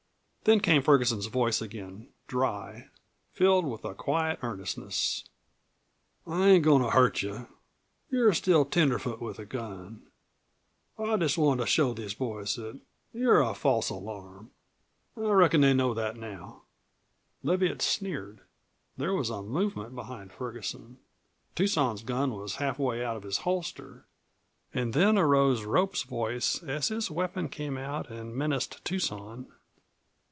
Then came Ferguson's voice again, dry, filled with a quiet earnestness: "I ain't goin' to hurt you you're still tenderfoot with a gun. I just wanted to show these boys that you're a false alarm. I reckon they know that now." Leviatt sneered. There was a movement behind Ferguson. Tucson's gun was half way out of its holster. And then arose Rope's voice as his weapon came out and menaced Tucson.